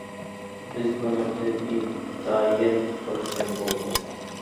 بىز بۇنىڭدىن ئىنتايىن خۇرسەن بولدۇق.